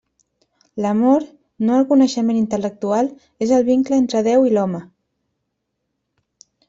L'amor, no el coneixement intel·lectual, és el vincle entre Déu i l'home.